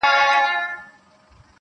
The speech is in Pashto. وچه هوا ښکلې ده.